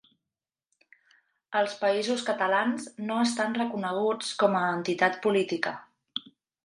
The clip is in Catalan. Els Països Catalans no estan reconeguts com a entitat política.